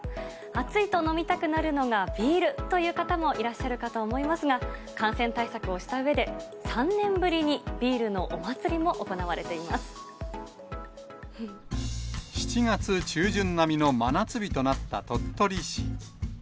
暑いと飲みたくなるのがビールという方もいらっしゃると思いますが、感染対策をしたうえで、３年ぶりにビールのお祭りも行わ７月中旬並みの真夏日となった鳥取市。